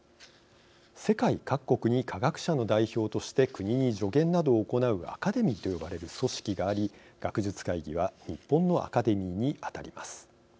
世界各国に科学者の代表として国に助言などを行うアカデミーと呼ばれる組織があり学術会議は日本のアカデミーに当たります。